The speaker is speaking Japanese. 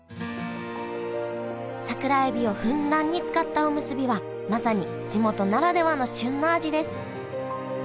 桜えびをふんだんに使ったおむすびはまさに地元ならではの旬の味です